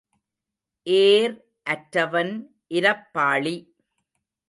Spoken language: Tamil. ஏர் அற்றவன் இரப்பாளி.